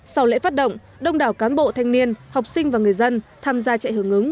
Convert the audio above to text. sau lễ phát động đông đảo cán bộ thanh niên học sinh và người dân tham gia chạy hướng ứng